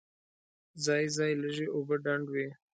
ځای ځای لږې اوبه ډنډ وې.